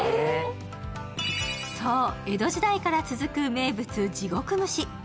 そう、江戸時代から続く名物・地獄蒸し。